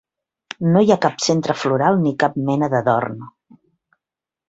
No hi ha cap centre floral ni cap mena d'adorn.